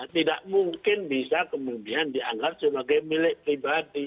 tidak mungkin bisa kemudian dianggap sebagai milik pribadi